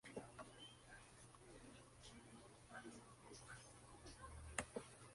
El distrito está cubierto de bosques, especialmente en la mitad Este del mismo.